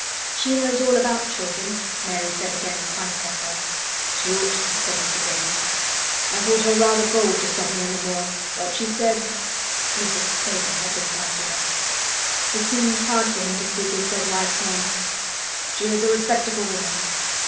"She knows all about children," Mary said again in spite of herself. "She ought to," said Mr. Craven. "I thought her rather bold to stop me on the moor, but she said—Mrs. Craven had been kind to her." It seemed hard for him to speak his dead wife's name. "She is a respectable woman.